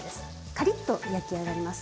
カリッと焼き上がります。